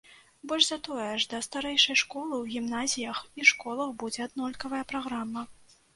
Больш за тое, аж да старэйшай школы ў гімназіях і школах будзе аднолькавая праграма.